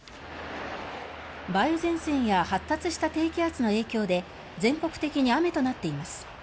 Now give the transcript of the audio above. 梅雨前線や発達した低気圧の影響で全国的に雨となっています。